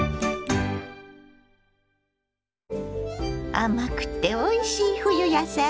甘くておいしい冬野菜。